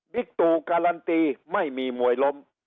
บิกตุการันตีไม่มีมวยลม